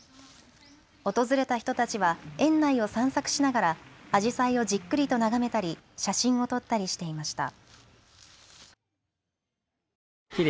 訪れた人たちは園内を散策しながらあじさいをじっくりと眺めたり写真を撮ったりしていました。